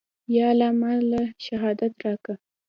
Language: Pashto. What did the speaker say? يا الله ما له شهادت راکه.